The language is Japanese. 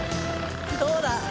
どうだ？